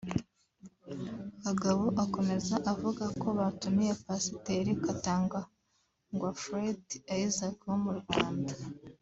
Kagabo akomeza avuga ko batumiye Pasiteri Katangwa Fred Isaac wo mu Rwanda